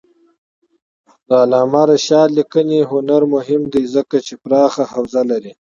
د علامه رشاد لیکنی هنر مهم دی ځکه چې پراخه حوزه لري.